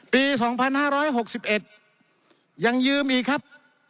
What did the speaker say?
ปี๒๕๖๑ยังยืมอีกครับ